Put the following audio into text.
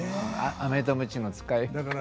アメとムチの使い方が。